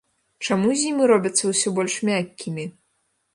Чаму зімы робяцца ўсё больш мяккімі?